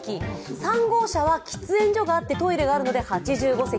３号車は喫煙所があってトイレがあるので８５席。